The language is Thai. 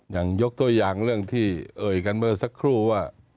ยกตัวอย่างเรื่องที่เอ่ยกันเมื่อสักครู่ว่า